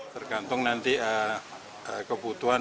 tergantung nanti kebutuhan